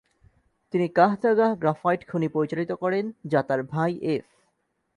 তিনি কাহতাগাহ গ্রাফাইট খনি পরিচালিত করেন যা তার ভাই এফ।